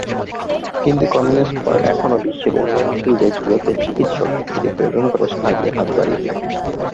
কিন্তু communist party এখনও বিশ্বের উন্নয়নশীল দেশগুলিতে চিকিৎসক, ইত্যাদি প্রেরণ করে সাহায্যের হাত বাড়িয়ে থাকে।